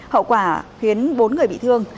hậu quả khiến bốn người bị thương